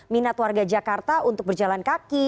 minat warga jakarta untuk berjalan kaki